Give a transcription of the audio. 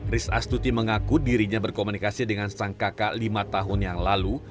riz astuti mengaku dirinya berkomunikasi dengan sang kakak lima tahun yang lalu